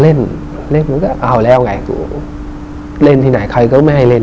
เล่นเล่นมันก็เอาแล้วไงเล่นที่ไหนใครก็ไม่ให้เล่น